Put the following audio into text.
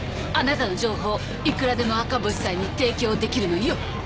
あなたの情報いくらでも赤星さんに提供できるのよ。